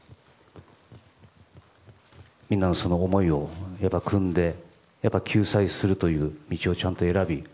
みんなの思いをくんで救済するという道をちゃんと選び